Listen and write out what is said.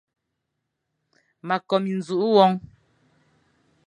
Ma ko minzùkh won.